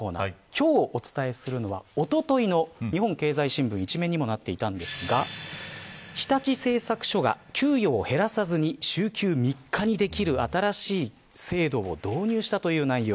今日お伝えするのは、おとといの日本経済新聞１面にもなっていたんですが日立製作所が給与を減らさずに週休３日にできる新しい制度を導入したという内容。